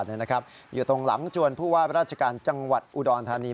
อยู่ตรงหลังจวนผู้ว่าราชการจังหวัดอุดรธานี